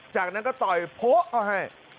จากนั้นก็ต่อโพ๊กเอาให้